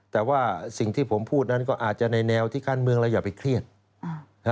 แต่ว่าสิ่งที่ผมพูดนั้นก็อาจจะในแนวที่ขั้นเมืองเราอย่าไปเครียด